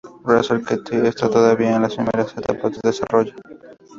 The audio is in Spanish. Razor-qt está todavía en las primeras etapas de desarrollo.